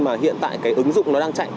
mà hiện tại cái ứng dụng nó đang chạy